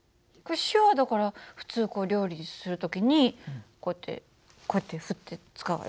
塩はだから普通料理する時にこうやってこうやって振って使うわよ。